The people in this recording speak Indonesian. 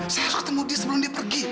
saya harus ketemu dia sebelum dia pergi